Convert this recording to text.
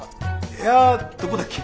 部屋どこだっけ？